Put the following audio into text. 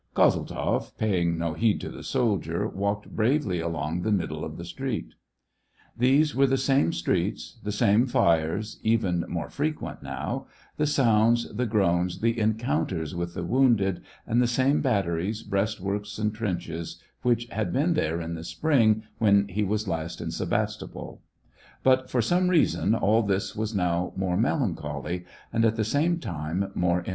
Kozeltzoff, paying no heed to the soldier, walked bravely along the middle of the street. These were the same streets, the same fires, even more frequent now, the sounds, the groans, the encounters with the wounded, and the same batteries, breastworks, and trenches, which had been there in the spring, when he was last in Sevastopol ; but, for some reason, all this was now more melancholy, and, at the same time, more en 192 SEVASTOPOL IN AUGUST.